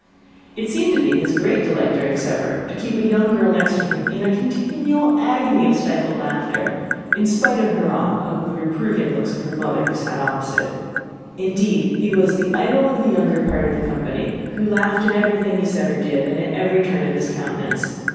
It seemed to be his great delight during supper to keep a young girl next him in a continual agony of stifled laughter, in spite of her awe of the reproving looks of her mother, who sat opposite. Indeed, he was the idol of the younger part of the company, who laughed at everything he said or did, and at every turn of his countenance.